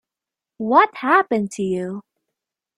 What happened to you?